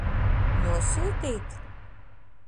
Nosūtīt?